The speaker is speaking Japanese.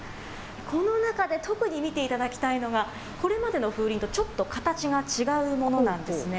この中で、特に見ていただきたいのが、これまでの風鈴とちょっと形が違うものなんですね。